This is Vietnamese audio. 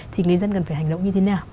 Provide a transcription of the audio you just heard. thì người dân cần phải hành động như thế nào